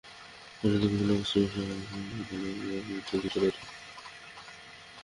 অন্যদিকে, বিভিন্ন গোষ্ঠীর মিলিশিয়া, যার মধ্যে ইসলামপন্থীদেরই প্রাধান্য, একে অন্যের বিরুদ্ধে যুদ্ধরত।